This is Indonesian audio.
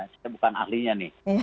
saya bukan ahlinya nih